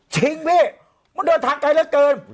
จริงพี่มันเดินทางไกลเกิน